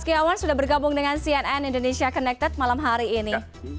kiawan sudah bergabung dengan cnn indonesia connected malam hari ini